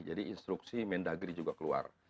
jadi instruksi mendagri juga keluar